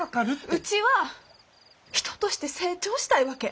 うちは人として成長したいわけ。